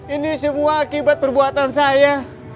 ini semua akibat perbuatan saya